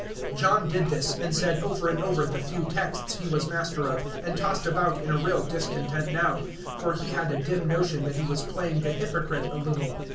John did this, and said over and over the few texts he was master of, and tossed about in a real discontent now, for he had a dim notion that he was playing the hypocrite a little.